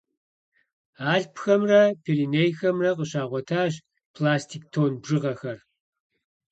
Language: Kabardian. Алъпхэмрэ Перинейхэмрэ къыщагъуэтащ пластик тонн бжыгъэхэр.